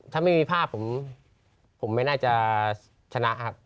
ถ้าไม่มีภาพผมไม่น่าจะชนะครับ